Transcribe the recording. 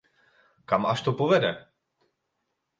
Kam až to povede?